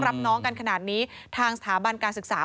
รับน้องกันขนาดนี้ทางสถาบันการศึกษา